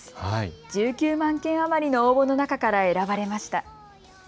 １９万件余りの応募の中から選ばれました。